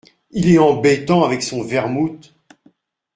Il est embêtant avec son vermouth !…